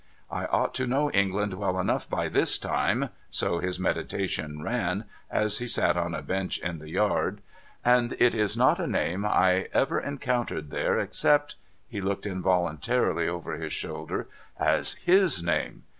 ' I ought to know England well enough by this time ;' so his meditations ran, as he sat on a bench in the yard ;' and it is not a name I ever encountered there, except '— he looked involuntarily over his shoulder —' as his name.